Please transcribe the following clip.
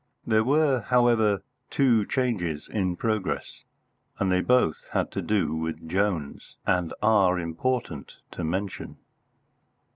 There were, however, two changes in progress, and they both had to do with Jones, and are important to mention.